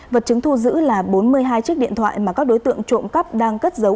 vật chứng thu giữ là bốn mươi hai chiếc điện thoại mà các đối tượng trộm cắp đang cất dấu